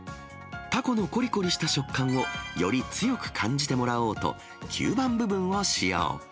たこのこりこりした食感を、より強く感じてもらおうと、吸盤部分を使用。